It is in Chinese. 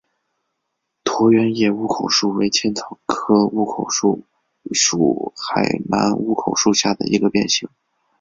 椭圆叶乌口树为茜草科乌口树属海南乌口树下的一个变型。